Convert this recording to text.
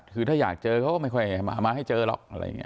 คือถ้าอยากเจอเขาก็ไม่ค่อยมาให้เจอหรอกอะไรอย่างนี้